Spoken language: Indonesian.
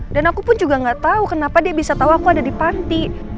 dan aku pun juga gak tau kenapa dia bisa tau aku ada di panti